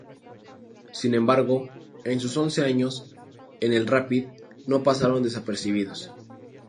Sin embargo, en sus once años en el Rapid, no pasaron desapercibidos.